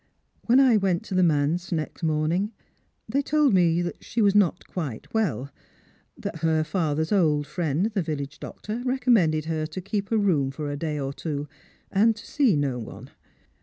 When I went to the manse next morning, they told me that she was not quite well — that her father's old friend, the village doctor, recommended her to keep her room for a day or two, and to see no one.